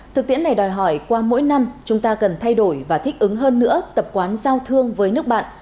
thực tiễn này đòi hỏi qua mỗi năm chúng ta cần thay đổi và thích ứng hơn nữa tập quán giao thương với nước bạn